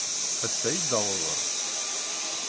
Ass-a i d-wwḍen.